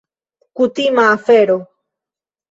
Kutima afero.